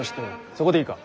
そこでいいか？